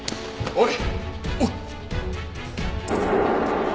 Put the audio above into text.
おい。